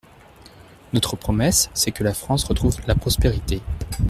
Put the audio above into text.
Notre promesse, c’est que la France retrouve la prospérité.